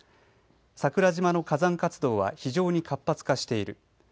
桜島の火山活動は非常に活発化している。